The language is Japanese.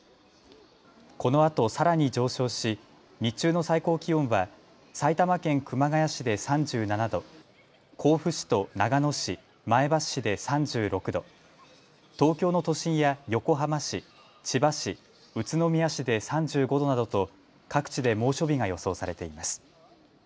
このあとさらに上昇し日中の最高気温は埼玉県熊谷市で３７度、甲府市と長野市、前橋市で３６度、東京の都心や横浜市、千葉市、宇都宮市で３５度などと各地で猛暑日が予想されています。